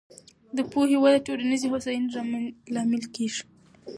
د پوهې وده د ټولنیزې هوساینې لامل کېږي.